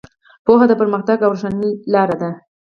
پوهه د پرمختګ او روښنایۍ لاره ده.